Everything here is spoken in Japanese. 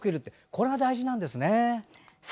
これが大事なんですね。